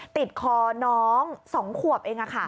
ติดคอน้อง๒ขวบเอง